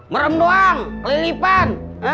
meremp doang kelilipan